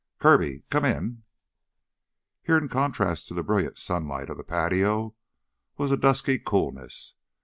"Kirby? Come in." Here in contrast to the brilliant sunlight of the patio was a dusky coolness.